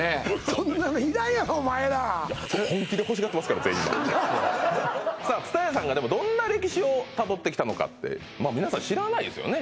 そんなのいらんやろお前らいや本気で欲しがってますから全員今さあ津多屋さんがでもどんな歴史をたどってきたのかってまあ皆さん知らないですよね